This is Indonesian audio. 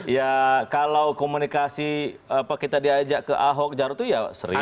ya kalau komunikasi kita diajak ke ahok jarot itu ya sering